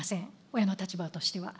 親の立場としては。